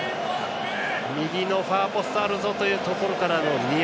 右のファーポストあるぞというところからのニア。